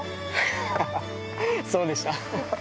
ハハハハそうでした。